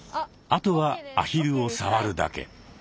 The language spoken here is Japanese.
あとはアヒルを触るだけ。